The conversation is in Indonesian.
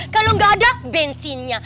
kalau nggak ada bensinnya